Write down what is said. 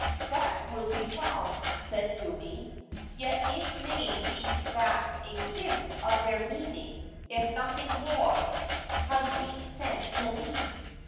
"That would be well," said Umi; "yet it may be that a hint of their meaning, if nothing more, has been sent to me.